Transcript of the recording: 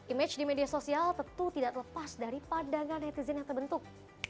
image di media sosial tentu tidak terlepas dari pandangan netizen yang terbentuk